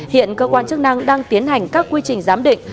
hiện cơ quan chức năng đang tiến hành các quy trình giám định